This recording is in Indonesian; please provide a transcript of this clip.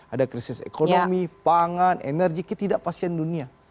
ada krisis ekonomi pangan energi tidak pas di dunia